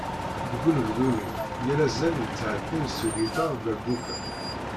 Deg unebdu-nni, yal azal nettɛedday s ugiṭar d dderbuka.